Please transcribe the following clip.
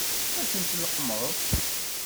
Ad ten-tleqqmeḍ?